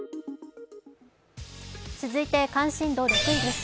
続いて、関心度６位です。